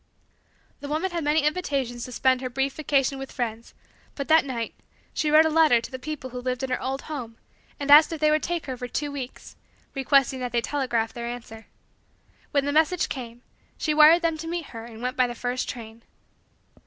The woman had many invitations to spend her brief vacation with friends, but, that night, she wrote a letter to the people who lived in her old home and asked if they would take her for two weeks, requesting that they telegraph their answer. When the message came, she wired them to meet her and went by the first train.